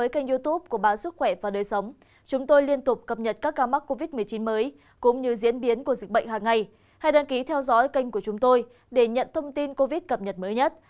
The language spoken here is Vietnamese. các bạn hãy đăng ký kênh của chúng tôi để nhận thông tin cập nhật mới nhất